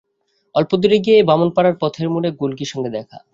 অল্পদূরে গিয়া বামুনপাড়ার পথের মোড়ে গুলকীর সঙ্গে দেখা।